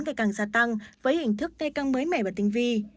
ngày càng gia tăng với hình thức cây căng mới mẻ và tinh vi